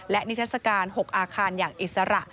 และนิทัศกาล๖อาคารอย่างอิสระ